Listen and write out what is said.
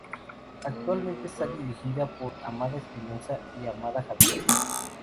Actualmente, está dirigida por Amanda Espinosa y Amanda y Javier Díaz.